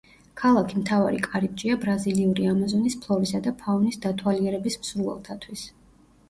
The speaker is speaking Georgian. ქალაქი მთავარი კარიბჭეა ბრაზილიური ამაზონის ფლორისა და ფაუნის დათვალიერების მსურველთათვის.